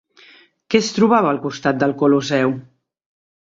Què es trobava al costat del Colosseu?